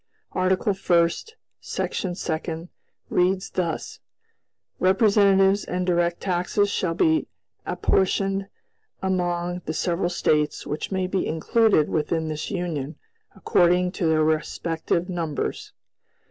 "Article First, Section Second, reads thus: 'Representatives and direct taxes shall be apportioned among the several States which may be included within this Union, according to their respective numbers.'